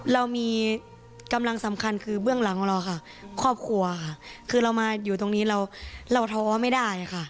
เรามีกำลังสำคัญคือเบื้องหลังของเราค่ะครอบครัวค่ะคือเรามาอยู่ตรงนี้เราท้อไม่ได้ค่ะ